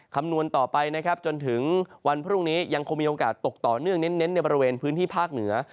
คำนวณต่อไปนะครับจนถึงวันพรุ่งนี้ยังคงมีโอกาสตกต่อเนื่องเน้นในบริเวณพื้นที่ภาคเหนือ